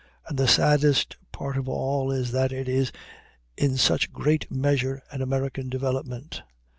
And the saddest part of all is that it is in such great measure an American development.